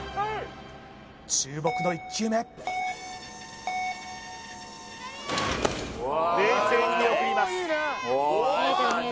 注目の１球目冷静に見送ります